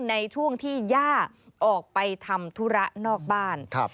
ในช่วงที่ย่าออกไปทำธุระนอกบ้าน